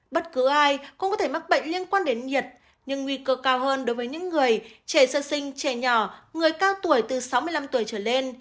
bất cứ ai cũng có thể mắc bệnh liên quan đến nhiệt nhưng nguy cơ cao hơn đối với những người trẻ sơ sinh trẻ nhỏ người cao tuổi từ sáu mươi năm tuổi trở lên